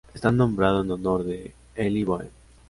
Está nombrado en honor de Elly Boehm.